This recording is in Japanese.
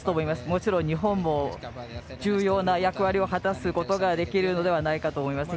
もちろん日本も重要な役割を果たすことができるのではないかと思います。